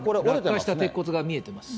落下した鉄骨が見えてます。